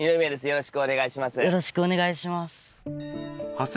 よろしくお願いします。